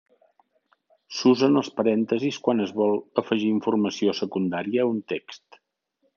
S'usen els parèntesis quan es vol afegir informació secundària a un text.